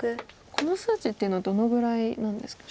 この数値っていうのはどのぐらいなんですか